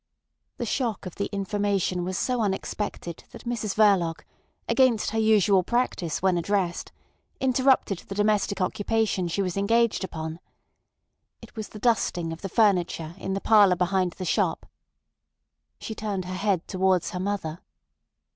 The shock of the information was so unexpected that Mrs Verloc, against her usual practice when addressed, interrupted the domestic occupation she was engaged upon. It was the dusting of the furniture in the parlour behind the shop. She turned her head towards her mother.